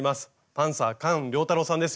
パンサー菅良太郎さんです。